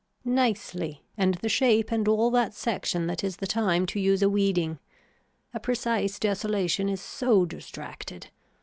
Nicely and the shape and all that section that is the time to use a weeding. A precise desolation is so distracted.